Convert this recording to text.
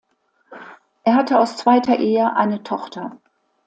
Er hatte aus zweiter Ehe eine Tochter.